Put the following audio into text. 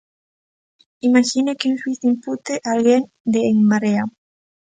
Imaxine que un xuíz impute a alguén de En Marea.